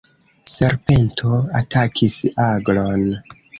Serpento atakis aglon.